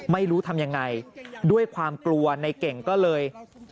ไม่รู้ทำยังไงด้วยความกลัวในเก่งก็เลย